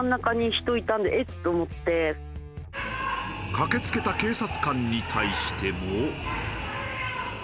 駆けつけた警察官に対しても。